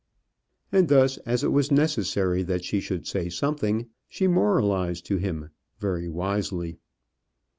And thus, as it was necessary that she should say something, she moralized to him very wisely.